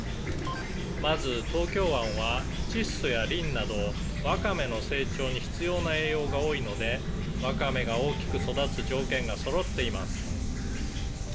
「まず東京湾は窒素やリンなどワカメの成長に必要な栄養が多いのでワカメが大きく育つ条件がそろっています」